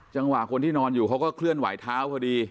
จังหวะคนที่นอนอยู่เขาก็เคลื่อนไหวเท้าพอดี